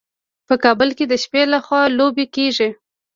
په کابل کې د شپې لخوا لوبې کیږي.